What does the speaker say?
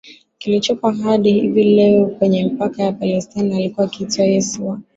kilichopo hadi hivi leo kwenye mipaka ya Palestina alikuwa akiitwa Yesu wa